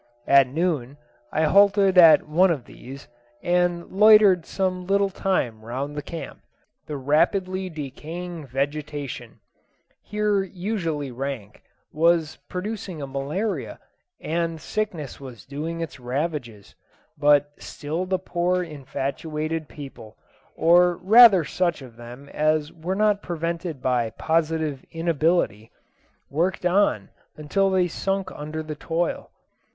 At noon I halted at one of these, and loitered some little time round about the camp. The rapidly decaying vegetation here unusually rank was producing a malaria, and sickness was doing its ravages; but still the poor infatuated people, or rather such of them as were not prevented by positive inability, worked on until they sunk under the toil.